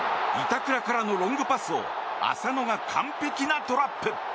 板倉からのロングパスを浅野が完璧なトラップ。